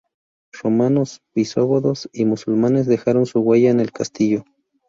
Romanos, visigodos y musulmanes dejaron su huella en el castillo.